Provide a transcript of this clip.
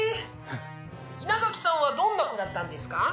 稲垣さんはどんな子だったんですか？